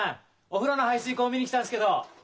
おふろの排水溝見にきたんですけど。